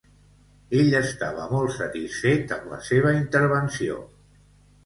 Ell estava molt satisfet amb la seva intervenció.